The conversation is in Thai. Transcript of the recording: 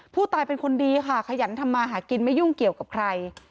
ผู้ตายเป็นคนดีค่ะขยันทำมาหากินไม่ยุ่งเกี่ยวกับใคร